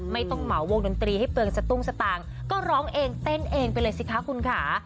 ไม่ต้องเหมาวงดนตรีให้เปลืองสตุ้งสตางค์ก็ร้องเองเต้นเองไปเลยสิคะคุณค่ะ